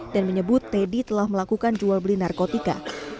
dan menyebut teddy telah melakukan jual beli narkotika